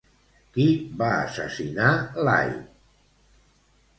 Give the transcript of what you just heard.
Qui va assassinar Lai?